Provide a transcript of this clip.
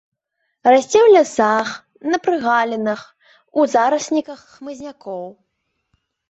Расце ў лясах, на прагалінах, у зарасніках хмызнякоў.